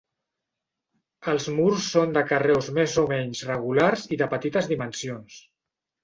Els murs són de carreus més o menys regulars i de petites dimensions.